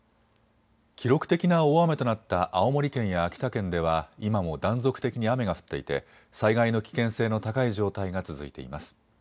記録的な大雨となった青森県や秋田県では今も断続的に雨が降っていて災害の危険性の高い状態が続いています。